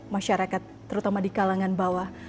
masyarakat terutama di kalangan bawah